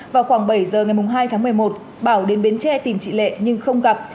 vào khoảng bảy giờ ngày hai tháng một mươi một bảo đến bến tre tìm chị lệ nhưng không gặp